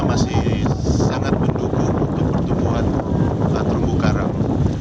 masih sangat mendukung untuk pertumbuhan terumbu karang